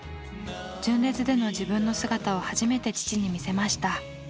純烈での自分の姿を初めて父に見せました。